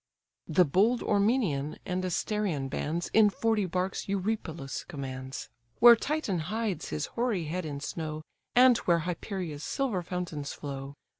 The bold Ormenian and Asterian bands In forty barks Eurypylus commands. Where Titan hides his hoary head in snow, And where Hyperia's silver fountains flow.